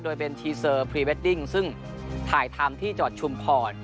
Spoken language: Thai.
โดยเป็นทีเซอร์พรีเวดดิ้งซึ่งถ่ายทำที่จังหวัดชุมพร